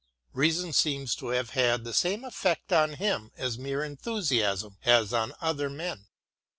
Reason seems to have had the same effect on him as mere enthusiasm has on other men.